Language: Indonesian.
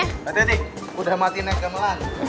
hati hati udah mati nek kamelang